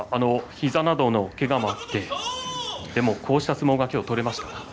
膝などのけがもあってでもこうした相撲が今日、取れました。